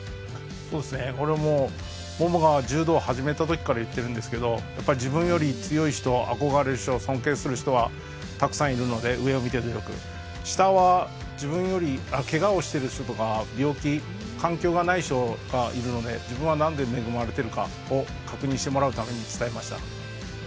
桃が柔道始めたときから言ってるんですけど自分より強い人、憧れる人、尊敬する人はたくさんいるので上を見て努力、下は、けがをしている人とか病気、自分はなんで恵まれているかを確認してもらうために伝えました。